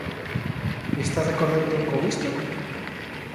¿Está de acordo entón con isto?